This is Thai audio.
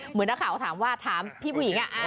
เหมือนหัวข่าวถามพี่ผู้หญิง